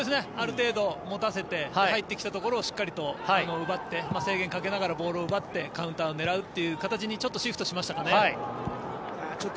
ある程度、持たせて入ってきたところをしっかりと奪って制限をかけながらボールを奪ってカウンターを狙うという形にシフトしましたかね。